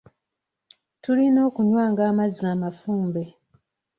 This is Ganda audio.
Tulina okunywanga amazzi amafumbe.